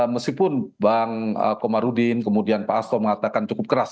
meskipun bang komarudin kemudian pak asto mengatakan cukup keras